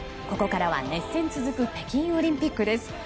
ここからは熱戦続く北京オリンピックです。